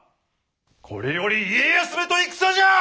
これより家康めと戦じゃ！